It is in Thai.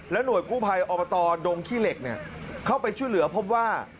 หน่วยกู้ภัยอบตดงขี้เหล็กเข้าไปช่วยเหลือพบว่า